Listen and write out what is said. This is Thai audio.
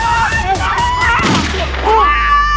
คุณบอร์